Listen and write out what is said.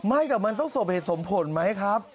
ไม่แต่มันต้องสบเหตุสมผลไหมครับ